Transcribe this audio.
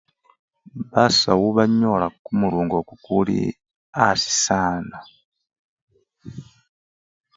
Basawo banyola kumurungo kukuli asi sana.